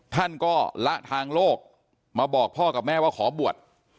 ท่านก็ละทางโลกมาบอกพ่อกับแม่ว่าขอบวช